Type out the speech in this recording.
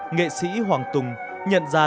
nghệ sĩ hoàng tùng nhận ra